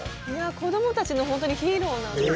子どもたちの本当にヒーローなんです。